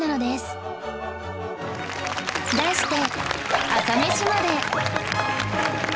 題して